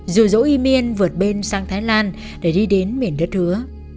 dù dỗ imean vượt bên sang thái lan để đi đến miền đất hứa